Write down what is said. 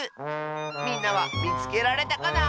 みんなはみつけられたかな？